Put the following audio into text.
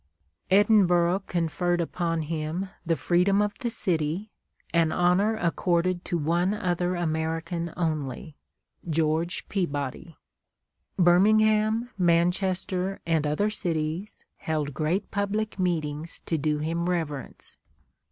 Edinburgh conferred upon him the freedom of the city, an honor accorded to one other American only, George Peabody. Birmingham, Manchester, and other cities held great public meetings to do him reverence.